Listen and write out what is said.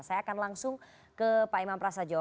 saya akan langsung ke pak imam prasajo